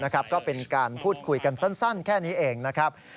ก็เป็นการพูดคุยกันสั้นแค่นี้เองนะครับ